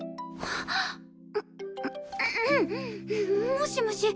もしもし？